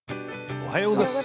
おはようございます。